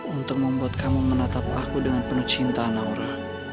untuk membuat kamu menatap aku dengan penuh cinta naura